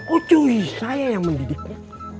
ucuy saya yang mendidikku